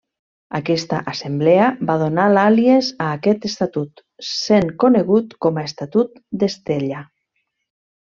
Aquesta assemblea va donar l'àlies a aquest estatut, sent conegut com a Estatut d'Estella.